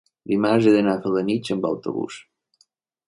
Dimarts he d'anar a Felanitx amb autobús.